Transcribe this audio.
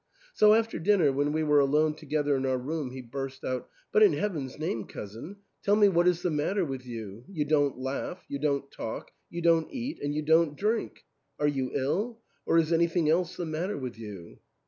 So after dinner, when we were alone together in our room, he burst out, " But in Heaven's name, cousin, tell me what is the matter with you ? You don't laugh ; you don't talk ; you don't eat ; and you don't drink. Are you ill, or is anything else the matter with you